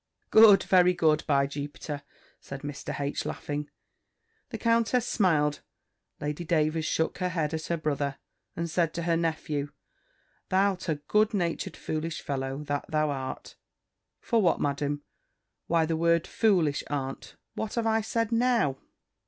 "Good! very good, by Jupiter!" said Mr. H. laughing. The countess smiled. Lady Davers shook her head at her brother, and said to her nephew, "Thou'rt a good natured foolish fellow, that thou art." "For what, Madam? Why the word foolish, aunt? What have I said now?"